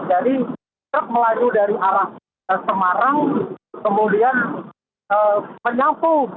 jadi truk melaju dari arah semarang kemudian menyapu